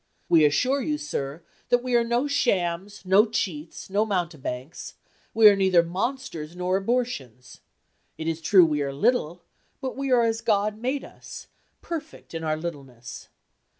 We assure you, sir, that we are no shams, no cheats, no mountebanks; we are neither monsters nor abortions; it is true we are little, but we are as God made us, perfect in our littleness.